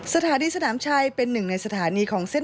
สถานีสนามชัยเป็นหนึ่งในสถานีของเส้น